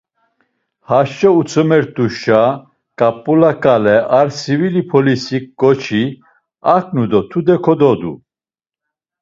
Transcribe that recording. Haşo utzomert̆eyşa, ǩap̌ula ǩale ar sivili polisik ǩoçi aǩnu do tude kododu.